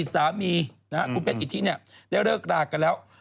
สามีคุณเพชรอิทธิได้เลิกรากันแล้ว